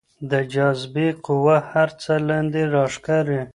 د جاذبې قوه هر څه لاندې راکاږي.